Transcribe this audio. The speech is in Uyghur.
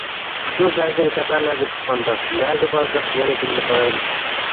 ئۇچۇر بەرگىن سەپەرلەرگە چىققاندا، نەگە بارساق يەنە بىللە بارايلى.